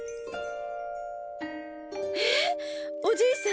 ええっおじいさん